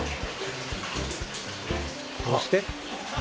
どうして？